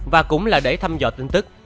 và cũng là để thăm dò tin tức